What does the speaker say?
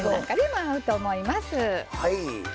はい。